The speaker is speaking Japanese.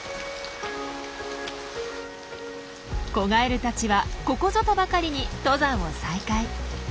子ガエルたちはここぞとばかりに登山を再開。